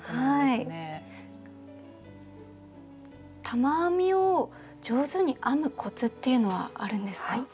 玉編みを上手に編むコツっていうのはあるんですか？